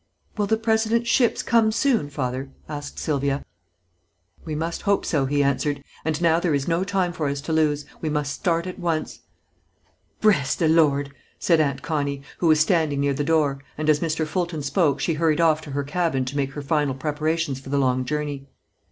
"Will the President's ships come soon, Father?" asked Sylvia. "We must hope so," he answered; "and now there is no time for us to lose. We must start at once." "Bres' de Lord!" said Aunt Connie, who was standing near the door, and as Mr. Fulton spoke she hurried off to her cabin to make her final preparations for the long journey.